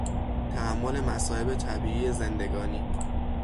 تحمل مصایب طبیعی زندگانی